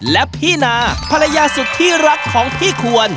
และพี่นาภรรยาสุดที่รักของพี่ควร